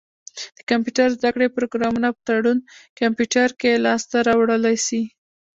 د کمپيوټر زده کړي پروګرامونه په تړون کمپيوټر کي لاسته را وړلای سی.